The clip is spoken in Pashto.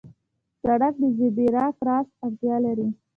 سړک د زېبرا کراس اړتیا لري.